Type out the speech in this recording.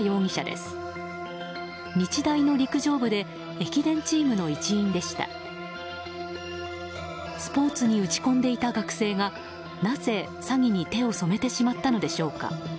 スポーツに打ち込んでいた学生がなぜ詐欺に手を染めてしまったのでしょうか。